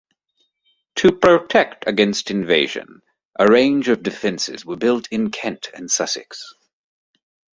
To protect against invasion, a range of defences were built in Kent and Sussex.